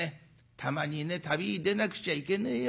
たまにね旅へ出なくちゃいけねえよ。